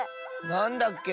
なんだっけ？